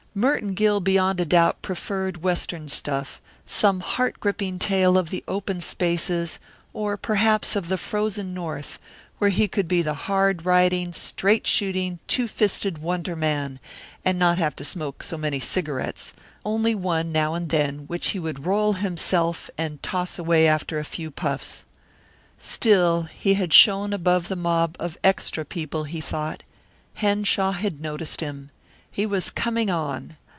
Merton Gill beyond a doubt preferred Western stuff, some heart gripping tale of the open spaces, or perhaps of the frozen north, where he could be the hard riding, straight shooting, two fisted wonder man, and not have to smoke so many cigarettes only one now and then, which he would roll himself and toss away after a few puffs. Still, he had shown above the mob of extra people, he thought. Henshaw had noticed him. He was coming on.